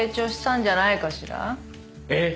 「えっ⁉」